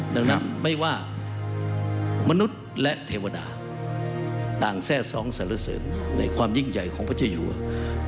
ดังนั้นไม่ว่ามนุษย์และเทวดาต่างแทร่ซ้องสารเสริมในความยิ่งใหญ่ของพระเจ้าอยู่